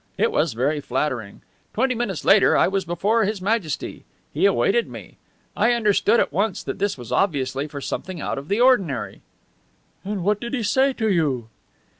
It was very flattering. Twenty minutes later I was before His Majesty. He awaited me! I understood at once that this was obviously for something out of the ordinary." "And what did he say to you?"